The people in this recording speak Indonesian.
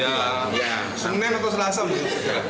ya semen atau selasa mungkin